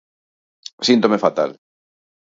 Síntome fatal...